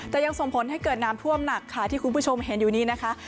แต่ยังส่งผลให้เกิดน้ำท่วมหนักค่ะที่คุณผู้ชมเห็นอยู่นี้นะคะ